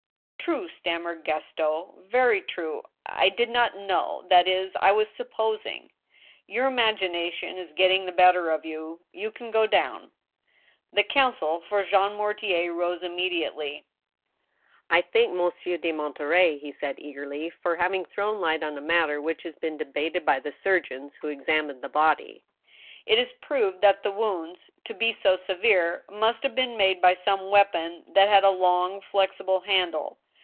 " True," stammered Gaston, " very true. I did not know ... that is, I was supposing —"" Your imagination is getting the better of you. ... You can go down." The counsel for Jean Mortier rose immediately. *• I thank Monsieur de Monterey," he said, eagerly, "for having thrown light on a matter which has been debated by the surgeons THE T^IAL igg who examined the body. It is proved that the wounds, to be so severe, must have been made by some weapon that had a long, flexi ble handle.